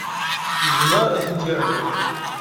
Yezmer ad ten-yernu.